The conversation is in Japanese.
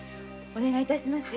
お願い致します。